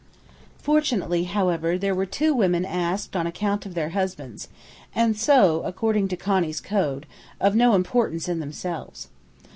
Fortunately, however, there were two women asked on account of their husbands, and so according to Connie's code of no importance in themselves.